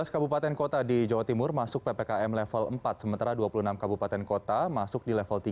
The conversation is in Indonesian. tujuh belas kabupaten kota di jawa timur masuk ppkm level empat sementara dua puluh enam kabupaten kota masuk di level tiga